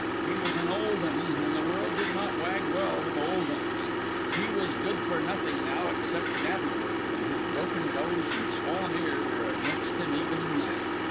He was an old un, and the world did not wag well with old uns. He was good for nothing now except navvy work, and his broken nose and swollen ear were against him even in that.